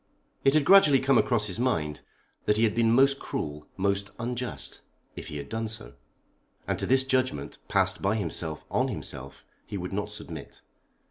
It had gradually come across his mind that he had been most cruel, most unjust, if he had done so; and to this judgment, passed by himself on himself, he would not submit.